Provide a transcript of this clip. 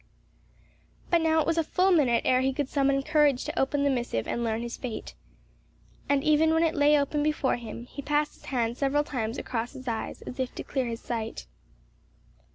But now it was a full minute ere he could summon courage to open the missive and learn his fate. And even when it lay open before him he passed his hand several times across his eyes as if to clear his sight.